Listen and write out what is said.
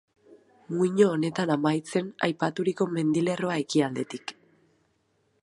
Muino honetan amaitzen aipaturiko mendilerroa ekialdetik.